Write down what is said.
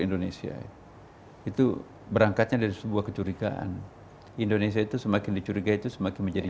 indonesia itu berangkatnya dari sebuah kecurigaan indonesia itu semakin dicurigai itu semakin menjadi